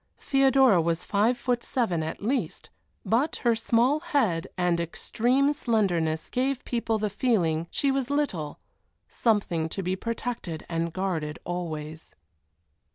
(Theodora was five foot seven at least, but her small head and extreme slenderness gave people the feeling she was little something to be protected and guarded always.)